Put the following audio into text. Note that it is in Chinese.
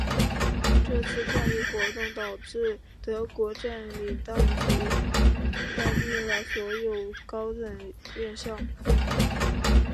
这次抗议活动导致德国占领当局关闭了所有高等院校。